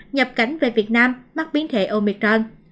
nhập cảnh về việt nam mắc biến thể omicron